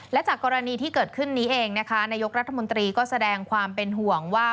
และจากกรณีที่เกิดขึ้นนี้เองนะคะนายกรัฐมนตรีก็แสดงความเป็นห่วงว่า